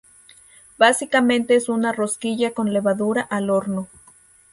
Básicamente es una rosquilla con levadura al horno.